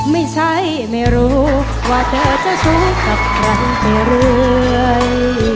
ไม่ใช่ไม่รู้ว่าเธอจะสวยกับใครไม่เรื่อย